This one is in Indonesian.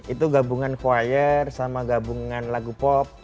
itu gabungan choir sama gabungan lagu pop